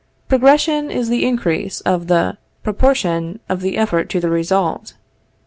Progression is the increase of the proportion of the effort to the result.